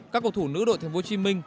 các cổ thủ nữ đội tp hcm